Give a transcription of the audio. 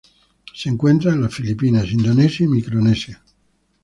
Se encuentra en las Filipinas, Indonesia y Micronesia.